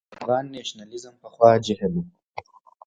افغان نېشنلېزم پخوا جهل و.